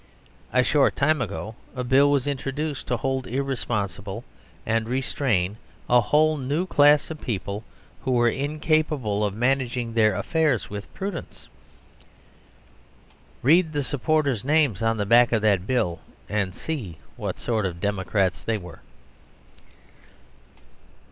A short time ago a Bill was introduced to hold irresponsible and "restrain" a whole new class of people, who were "incapable of managing their affairs with prudence." Read the supporters' names on the back of that Bill, and see what sort of democrats they were.